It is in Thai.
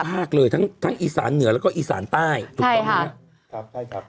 ทั้งภาคเลยทั้งอีสานเหนือแล้วก็อีสานใต้ถูกต้องไหมครับ